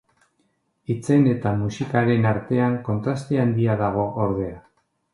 Hitzen eta musikaren artean kontraste handia dago, ordea.